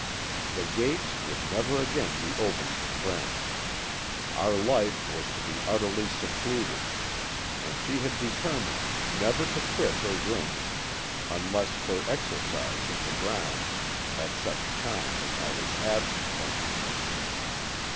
The gates would never again be opened to friends. Our life was to be utterly secluded, and she had determined never to quit her rooms unless for exercise in the grounds at such times as I was absent from them.